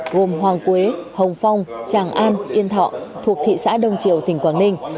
gồm hoàng quế hồng phong tràng an yên thọ thuộc thị xã đông triều tỉnh quảng ninh